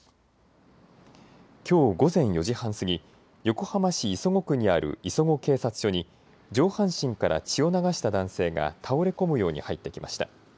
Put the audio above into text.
きょう午前４時半過ぎ、横浜市磯子区にある磯子警察署に上半身から血を流した男性が倒れ込むように入ってきました。